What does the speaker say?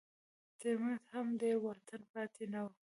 تر منځ هم ډېر واټن پاتې نه و.